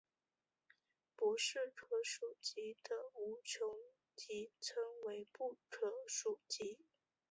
不是可数集的无穷集称为不可数集。